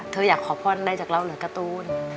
เธออยากขอพรได้จากเราหรือการ์ตูน